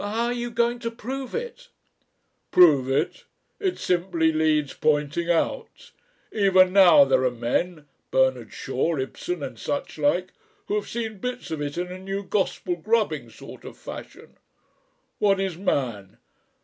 "But how are you going to prove it?" "Prove It! It simply needs pointing out. Even now there are men Bernard Shaw, Ibsen, and such like who have seen bits of it in a new gospel grubbing sort of fashion. What Is man?